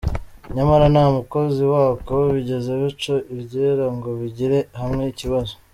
Nyamara nta mukozi wako bigeze baca iryera ngo bigire hamwe ikibazo.